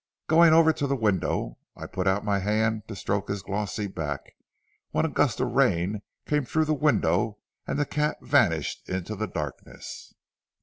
Going over to the window, I put out my hand to stroke his glossy back, when a gust of rain came through the window and the cat vanished into the darkness.